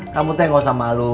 kamu teh gak usah malu